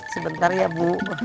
sebentar ya bu